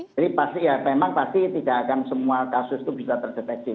jadi memang pasti tidak akan semua kasus itu bisa terdeteksi